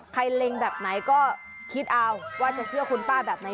เล็งแบบไหนก็คิดเอาว่าจะเชื่อคุณป้าแบบไหน